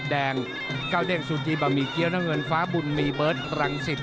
แดงเก้าเด้งซูจีบะหมี่เกี้ยวน้ำเงินฟ้าบุญมีเบิร์ตรังสิต